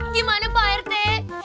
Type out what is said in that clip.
gimana pak rete